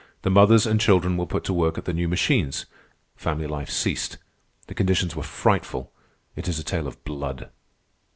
The mothers and children were put to work at the new machines. Family life ceased. The conditions were frightful. It is a tale of blood."